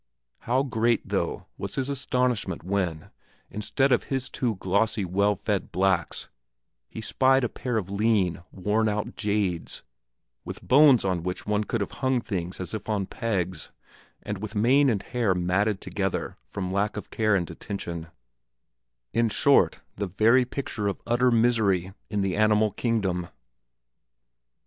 How great, though, was his astonishment when, instead of his two glossy, well fed blacks, he spied a pair of lean, worn out jades, with bones on which one could have hung things as if on pegs, and with mane and hair matted together from lack of care and attention in short, the very picture of utter misery in the animal kingdom!